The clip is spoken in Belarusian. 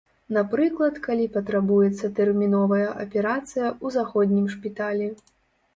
Напрыклад, калі патрабуецца тэрміновая аперацыя ў заходнім шпіталі.